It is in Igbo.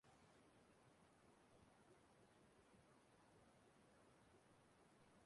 Obu ya nochiri onodu Olusegun Obasanjo.